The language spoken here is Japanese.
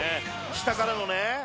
下からのね